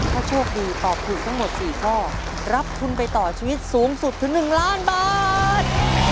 ถ้าโชคดีตอบถูกทั้งหมด๔ข้อรับทุนไปต่อชีวิตสูงสุดถึง๑ล้านบาท